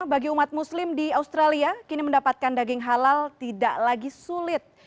bagi umat muslim di australia kini mendapatkan daging halal tidak lagi sulit